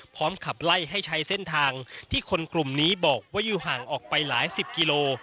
ขับไล่ให้ใช้เส้นทางที่คนกลุ่มนี้บอกว่าอยู่ห่างออกไปหลายสิบกิโล